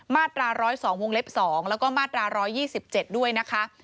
มาตรา๑๐๒วงเล็บ๒แล้วก็มาตรา๑๒๗ด้วยนะคะ